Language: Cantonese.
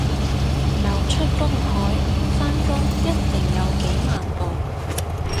游出公海返工一定有幾萬步